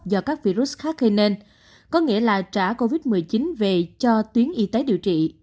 do các virus khác gây nên có nghĩa là trả covid một mươi chín về cho tuyến y tế điều trị